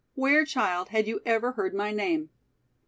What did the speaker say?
Where, child, had you ever heard my name?"